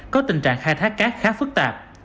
có tình trạng khai thác các khá phức tạp